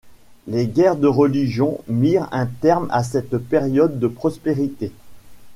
Les guerres de Religion mirent un terme à cette période de prospérité.